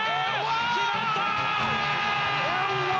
決まった！